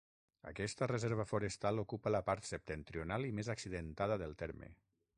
Aquesta reserva forestal ocupa la part septentrional i més accidentada del terme.